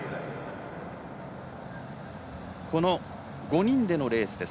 この５人でのレースです。